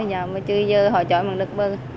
nhà mà chưa giờ họ chó mà được bơ